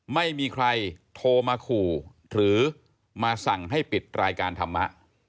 ไม่มีใครโทรมาขู่หรือมาสั่งให้ปิดรายการธรรมะ